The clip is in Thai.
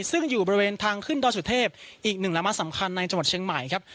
ซึ่งอยู่บริเวณทางขึ้นดอยสุเทพอีกหนึ่งละมะสำคัญในจังหวัดเชียงใหม่ครับ